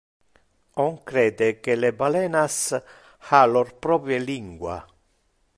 On crede que le balenas ha lor proprie lingua.